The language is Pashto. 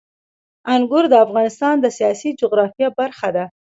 انګور د افغانستان د سیاسي جغرافیه برخه ده.